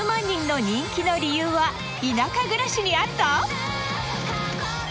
人の人気の理由は田舎暮らしにあった？